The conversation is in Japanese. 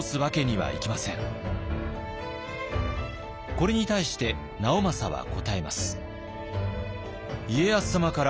これに対して直政は答えます。